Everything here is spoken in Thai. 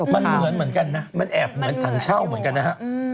มันเหมือนกันนะมันแอบเหมือนถังเช่าเหมือนกันนะฮะ